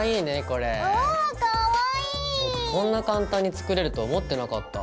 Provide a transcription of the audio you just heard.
こんな簡単に作れるとは思ってなかった。